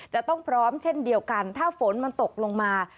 จะต้องพร้อมเช่นเดียวกันถ้าฝนมันตกลงมา